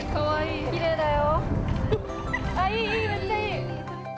きれいだよ！